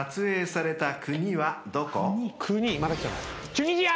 チュニジア！